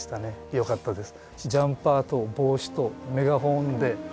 よかったです。